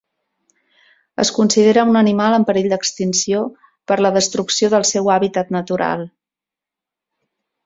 Es considera un animal en perill d'extinció per la destrucció del seu hàbitat natural.